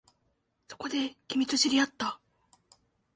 そこで、君と知り合った